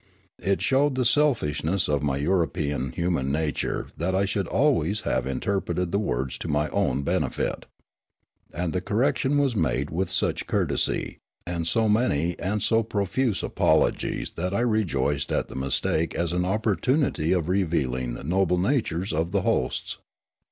It showed the selfishness of my European human nature that I should always have in terpreted the words to my own benefit. And the cor rection was made with such courtesy, and so many and so profouse apologies that I rejoiced at the mistake as an opportunity of revealing the noble natures of the hosts.